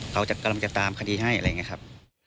เขากำลังจะตามคดีให้อะไรอย่างนี้ครับ